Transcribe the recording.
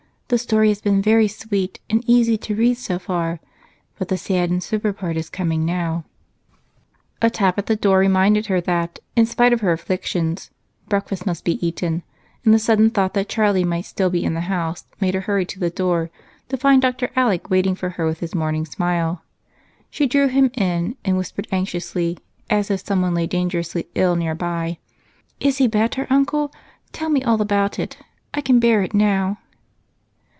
The story has been very sweet and easy to read so far, but the sad and sober part is coming now." A tap at the door reminded her that, in spite of her afflictions, breakfast must be eaten, and the sudden thought that Charlie might still be in the house made her hurry to the door, to find Dr. Alec waiting for her with his morning smile. She drew him in and whispered anxiously, as if someone lay dangerously ill nearby, "Is he better, Uncle? Tell me all about it I can bear it now."